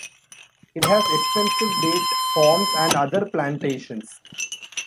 It has extensive date palms and other plantations.